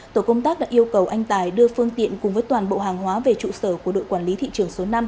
tổ công tác đã yêu cầu anh tài đưa phương tiện cùng với toàn bộ hàng hóa về trụ sở của đội quản lý thị trường số năm